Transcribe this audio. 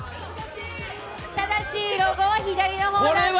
正しいロゴは左の方なので。